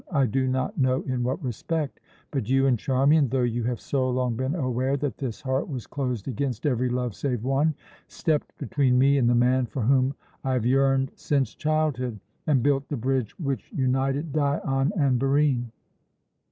I do not know in what respect. But you and Charmian though you have so long been aware that this heart was closed against every love save one stepped between me and the man for whom I have yearned since childhood, and built the bridge which united Dion and Barine.